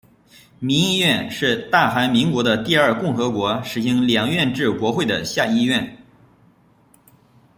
民议院是大韩民国的第二共和国实行两院制国会的下议院。